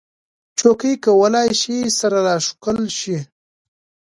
چوکۍ کولی شي سره راښکل شي.